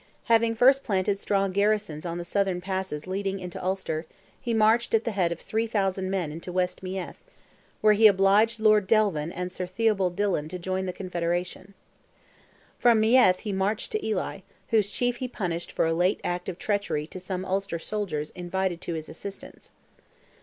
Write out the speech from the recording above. Having first planted strong garrisons on the southern passes leading into Ulster, he marched at the head of 3,000 men into West Meath, where he obliged Lord Delvin and Sir Theobald Dillon to join the Confederation. From Meath he marched to Ely, whose chief he punished for a late act of treachery to some Ulster soldiers invited to his assistance.